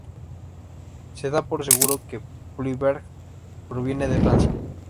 Se da por seguro que Puigvert proviene de Francia.